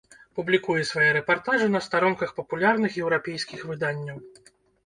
Публікуе свае рэпартажы на старонках папулярных еўрапейскіх выданняў.